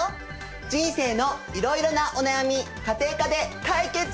人生のいろいろなお悩み家庭科で解決しよう！